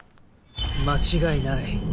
間違いない